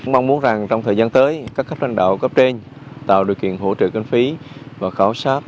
mong mong rằng trong thời gian tới các khách đoàn đạo cấp trên tạo điều kiện hỗ trợ cân phí và khảo sát